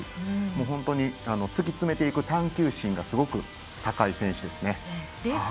本当に突き詰めていく探究心がすごく高い選手ですね。